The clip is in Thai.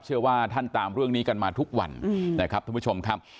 เชื่อว่าท่านตามเรื่องนี้กันมาทุกวันนะครับท่านผู้ชมครับ